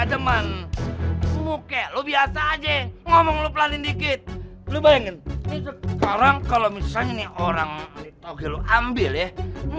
dan keluarga pada marah